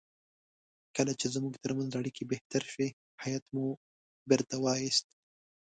کله چې زموږ ترمنځ اړیکې بهتر شوې هیات مو بیرته وایست.